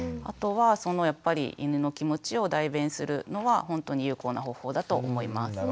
あとはそのやっぱり犬の気持ちを代弁するのはほんとに有効な方法だと思います。